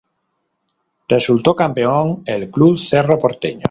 Resultó campeón el Club Cerro Porteño.